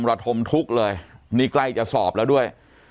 ระทมทุกข์เลยนี่ใกล้จะสอบแล้วด้วย